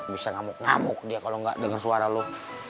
bisa ngamuk ngamuk dia kalo gak denger suara lu